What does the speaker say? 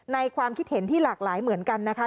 ความคิดเห็นที่หลากหลายเหมือนกันนะคะ